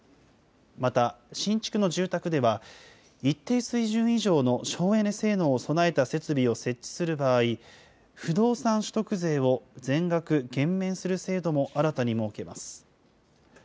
また、新築の住宅では、一定水準以上の省エネ性能を備えた設備を設置するなど、不動産取得税を全額減免する制度も新たに設けます。